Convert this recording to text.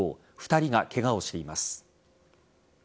２人がケガをしています。